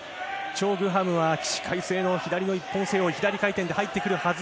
チョ・グハムは起死回生の左の一本背負い左回転で入ってくるはず。